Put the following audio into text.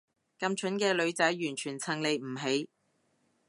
咁蠢嘅女仔完全襯你唔起